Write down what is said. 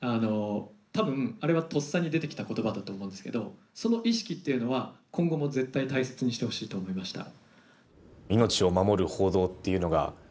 たぶん、あれはとっさに出てきたことばだと思うんですけどその意識っていうのは今後も絶対大切にしてほしいと思いました。